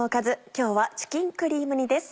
今日は「チキンクリーム煮」です。